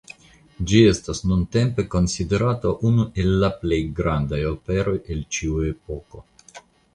Ĝi estas nuntempe konsiderata unu el la plej grandaj operoj el ĉiu epoko.